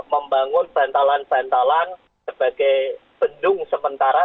membangun bantalan bantalan sebagai bendung sementara